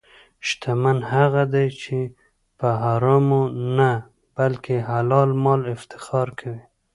شتمن هغه دی چې په حرامو نه، بلکې حلال مال افتخار کوي.